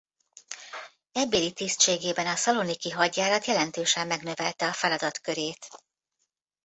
Ebbéli tisztségében a szaloniki-hadjárat jelentősen megnövelte a feladatkörét.